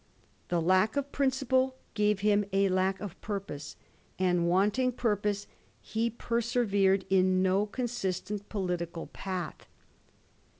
The lack of principle gave him a lack of purpose, and wanting purpose he persevered in no consistent political path.